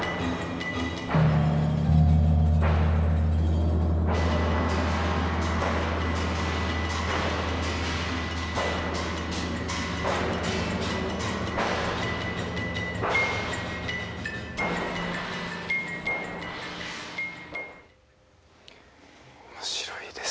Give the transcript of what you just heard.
面白いですね。